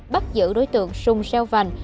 bắt giữ đối tượng sùng xeo vành